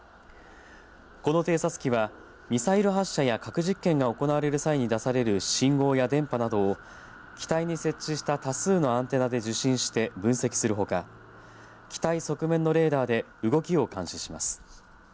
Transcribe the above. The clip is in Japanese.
この偵察機はミサイル発射や核実験が行われる際に出される信号や電波などを機体に設置した多数のアンテナで受信して分析するほか機体側面のレーダーで動きを監視します。